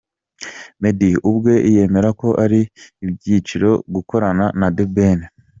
Meddy ubwe yemera ko ari iby’igiciro gukorana na The Ben.